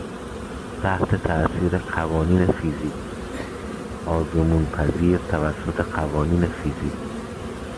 تحت تاثیر قوانین فیزیک، آزمون پذیر توسط قوانین فیزیک